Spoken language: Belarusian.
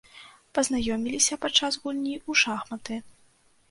Пазнаёміліся падчас гульні ў шахматы.